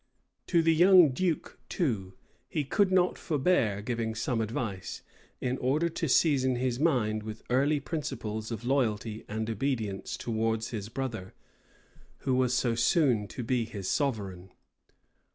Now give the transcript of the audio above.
To the young duke, too, he could not forbear giving some advice, in order to season his mind with early principles of loyalty and obedience towards his brother, who was so soon to be his sovereign.